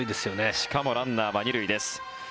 しかもランナーは２塁です。